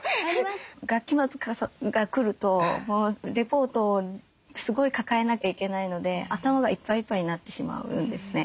学期末が来るとレポートをすごい抱えなきゃいけないので頭がいっぱいいっぱいになってしまうんですね。